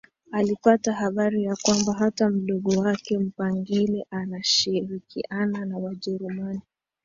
Alipata habari ya kwamba hata mdogo wake Mpangile anashirikiana na Wajerumani